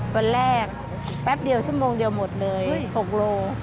วันแรกแป๊บเดียวชั่วโมงเดียวหมดเลย๖โล